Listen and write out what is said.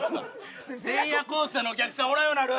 せいやコースターのお客さんおらんようになる！